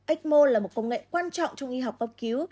ecmo là một công nghệ quan trọng trong y học cấp cứu